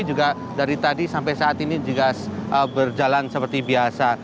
juga dari tadi sampai saat ini juga berjalan seperti biasa